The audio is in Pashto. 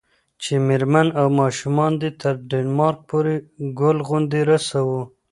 چې میرمن او ماشومان دې تر ډنمارک پورې ګل غوندې رسوو.